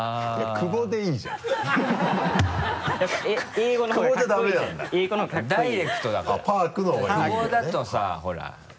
「久保」だとさほら。